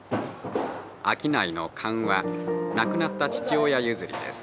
商いの勘は亡くなった父親譲りです」。